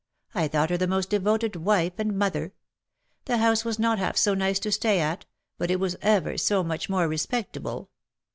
I thought her the most devoted wife and mother. The house was not half so nice to stay at ; but it was ever so much more respectable.